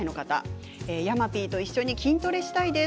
山Ｐと一緒に筋トレをしたいです。